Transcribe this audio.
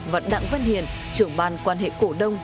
và đặng văn hiền trưởng ban quan hệ cổ đông